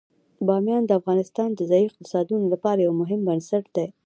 بامیان د افغانستان د ځایي اقتصادونو لپاره یو مهم بنسټ دی.